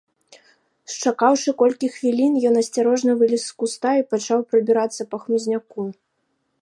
Счакаўшы колькі хвілін, ён асцярожна вылез з куста і пачаў прабірацца па хмызняку.